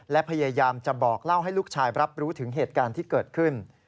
และพยายามจะบอกเล่าให้ลูกชายรับรู้ถึงเหตุการณ์ที่เกิดขึ้น